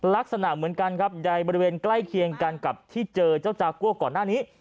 ลักษณะเหมือนกันครับในบริเวณใกล้เคียงกันกับที่เจอเจ้าจากัวก่อนหน้านี้